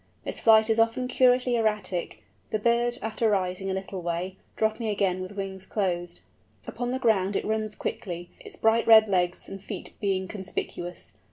Its flight is often curiously erratic, the bird, after rising a little way, dropping again with wings closed. Upon the ground it runs quickly, its bright red legs and feet being conspicuous.